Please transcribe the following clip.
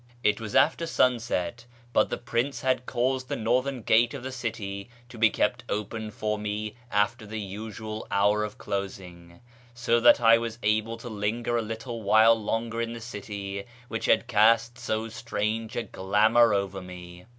It was after sunset, but the prince had caused the northern gate of the city to be kept open for me after the usual hour of closing, so that I was able to linger a little while longer in the city which had cast so strange a glamour over me.